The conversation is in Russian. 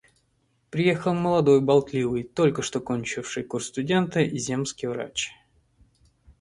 Приехал молодой болтливый, только что кончивший курс студент, земский врач.